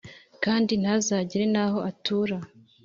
kandi ntazagire n'aho atura,